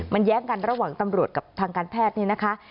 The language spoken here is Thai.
มันแย้งกันระหว่างตำรวจกับทางการแพทย์นี่นะคะ